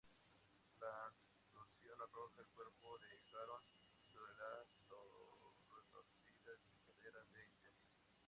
La explosión arrojó el cuerpo de Caron sobre la retorcida escalera de incendios.